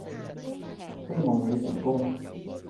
希望你成功